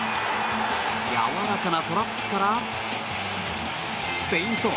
やわらかなトラップからフェイント。